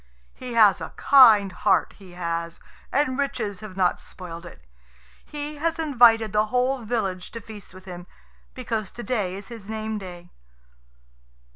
He has a kind heart, he has, and riches have not spoiled it. He has invited the whole village to feast with him, because to day is his name day."